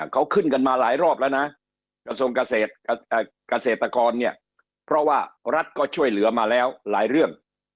เขาขึ้นกันมาหลายรอบแล้วนะกระทรวงเกษตรกรเนี่ยเพราะว่ารัฐก็ช่วยเหลือมาแล้วหลายเรื่อง